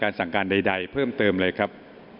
สั่งการใดเพิ่มเติมเลยครับ